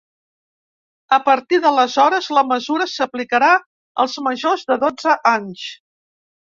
A partir d’aleshores, la mesura s’aplicarà als majors de dotze anys.